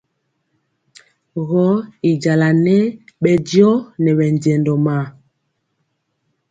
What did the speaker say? Gɔ y jala nɛɛ bɛ diɔ nɛ mɛjɛndɔ maa.